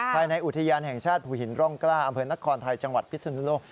ภายในอุทยานแห่งชาติภูหินร่องกล้าอำเภอนครไทยจังหวัดพิศนุโลก